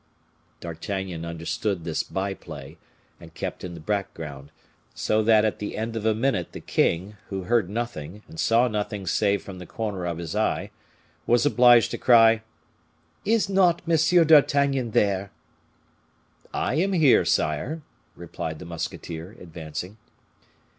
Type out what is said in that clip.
D'Artagnan understood this by play, and kept in the background; so that at the end of a minute the king, who heard nothing, and saw nothing save from the corner of his eye, was obliged to cry, "Is not M. d'Artagnan there?" "I am here, sire," replied the musketeer, advancing.